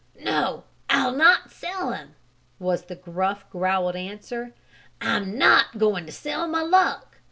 "No, I'll not sell him," was the gruff, growled answer. "I'm not going to sell my luck.